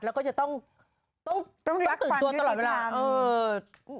แล้วก็จะต้องตื่นตัวตลอดเวลาต้องรักฝันยื่นดีกว่า